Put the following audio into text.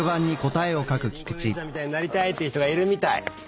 やっぱり凛子お姉ちゃんみたいになりたいって人がいるみたい。